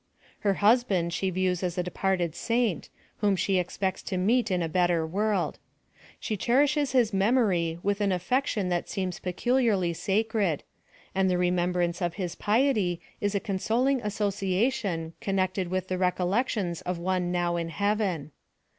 Her husband she views as a departed saint, whom she expects to meet in a better world. She cherishes his memory with aa affection that seems peculiarly sacred ; and ihe re membrance of his piety is a consoling association connected with the recollections of one now in heaven.